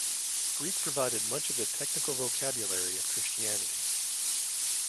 Greek provided much of the technical vocabulary of Christianity.